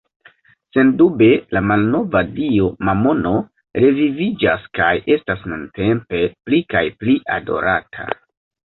Sendube la malnova dio Mamono reviviĝas kaj estas nuntempe pli kaj pli adorata.